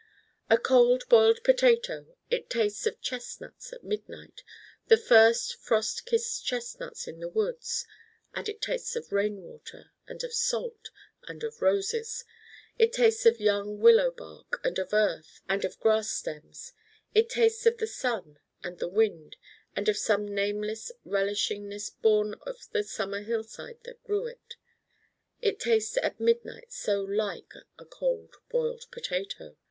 A Cold Boiled Potato it tastes of chestnuts at midnight, the first frost kissed chestnuts in the woods: and it tastes of rain water and of salt and of roses: it tastes of young willow bark and of earth and of grass stems: it tastes of the sun and the wind and of some nameless relishingness born of the summer hillside that grew it: it tastes at midnight so like a Cold Boiled Potato.